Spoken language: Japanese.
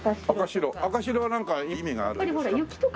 赤白はなんか意味があるんですか？